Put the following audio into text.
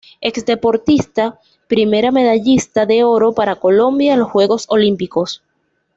Ex deportista, primera medallista de oro para Colombia en los Juegos Olímpicos.